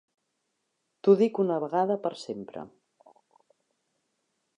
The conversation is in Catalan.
T'ho dic una vegada per sempre.